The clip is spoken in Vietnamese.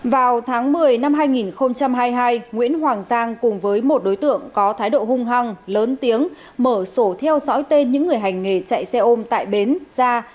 vào tháng một mươi năm hai nghìn hai mươi hai nguyễn hoàng giang cùng với một đối tượng có thái độ hung hăng lớn tiếng mở sổ theo dõi tên những người hành nghề chạy xe ôm tại bến ra